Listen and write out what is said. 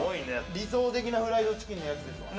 理想的なフライドチキンです。